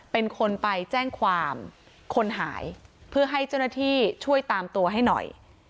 เป็นคนไปแจ้งความคนหายเพื่อให้เจ้าหน้าที่ช่วยตามตัวให้หน่อย